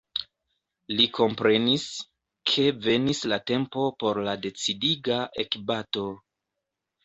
Li komprenis, ke venis la tempo por la decidiga ekbato.